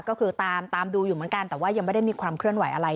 ก็คือตามดูอยู่เหมือนกันแต่ว่ายังไม่ได้มีความเคลื่อนไหวอะไร